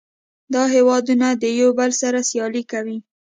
دا هیوادونه د یو بل سره سیالي کوي